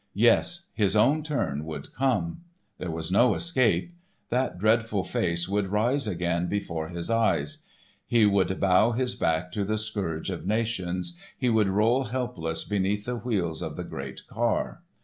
Yes his own turn would come. There was no escape. That dreadful face would rise again before his eyes. He would bow his back to the scourge of nations, he would roll helpless beneath the wheels of the great car.